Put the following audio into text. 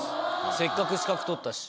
せっかく資格取ったし。